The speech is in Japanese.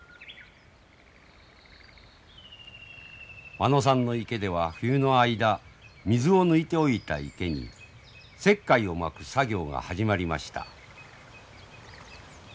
間野さんの池では冬の間水を抜いておいた池に石灰をまく作業が始まりました。